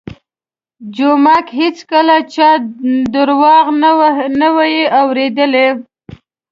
جومک هېڅکله چا درواغ نه وو اورېدلي.